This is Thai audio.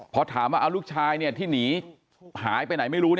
พอถามว่าเอาลูกชายที่หนีหายไปไหนไม่รู้